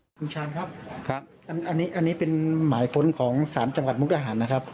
คุณชานครับอันนี้เป็นหมายค้นของศาลจังหกรรมกต้นอาหาร